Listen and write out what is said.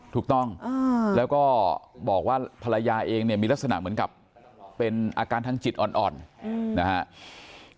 ถูกต้องแล้วก็บอกว่าภรรยาเองเนี่ยมีลักษณะเหมือนกับเป็นอาการทางจิตอ่อนนะครับ